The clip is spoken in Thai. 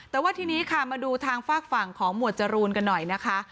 แต่ว่าทีนี้ค่ะมาดูทางฝากฝั่งของหมวดจรูนกันหน่อยนะคะ